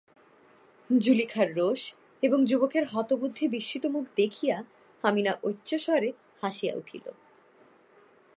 জুলিখার রোষ এবং যুবকের হতবুদ্ধি বিস্মিতমুখ দেখিয়া আমিনা উচ্চৈঃস্বরে হাসিয়া উঠিল।